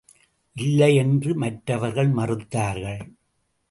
இல்லையென்று மற்றவர்கள் மறுத்தார்கள்.